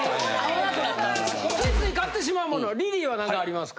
ついつい買ってしまうモノリリーは何かありますか？